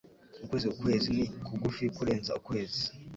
Ukwezi ukwezi ni kugufi kurenza ukwezi.